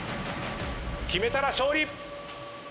決めたら勝利。